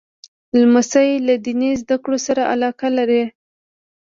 لمسی له دیني زده کړو سره علاقه لري.